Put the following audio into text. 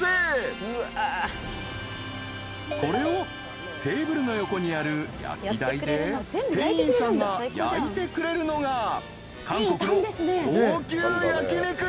［これをテーブルの横にある焼き台で店員さんが焼いてくれるのが韓国の高級焼き肉スタイル］